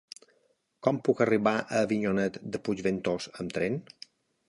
Com puc arribar a Avinyonet de Puigventós amb tren?